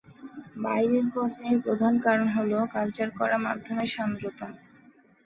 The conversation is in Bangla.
বাইরের-পর্যায়ের প্রধান কারণ হ'ল কালচার করা মাধ্যমের সান্দ্রতা।